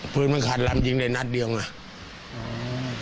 ปืนมันขาดลำยิงได้นัดเดียวไง